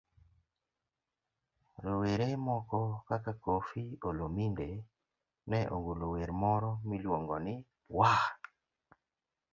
Rowere moko kaka Koffi Olomide ne ogolo wer moro miluongo ni 'Waah!